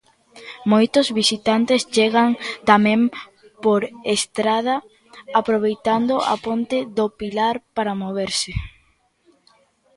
Moitos visitantes chegan tamén por estrada, aproveitando a ponte do Pilar para moverse.